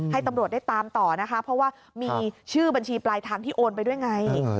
ให้ตำรวจได้ตามต่อนะคะเพราะว่ามีชื่อบัญชีปลายทางที่โอนไปด้วยไง